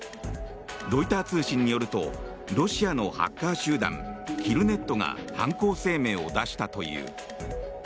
ロイター通信によるとロシアのハッカー集団キルネットが犯行声明を出したという。